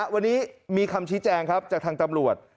วันนี้มีคำชี้แจงครับจากทางตำรวจ